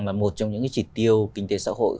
là một trong những cái chỉ tiêu kinh tế xã hội